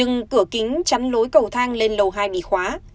ông thu đã đập cửa kính tránh lối cầu thang lên lầu hai bị khóa